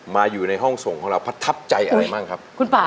มาอยู่ในห้องส่งของเราพัทับใจอะไรมั้งครับ